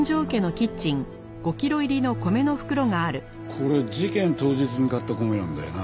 これ事件当日に買った米なんだよな？